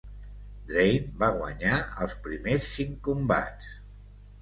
Draine va guanyar els primers cinc combats.